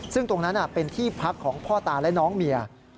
ซึ่งตรงนั้นเป็นที่พักของพ่อตาและน้องเมีย